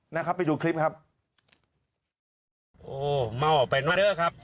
นะครับไปดูคลิปนะครับ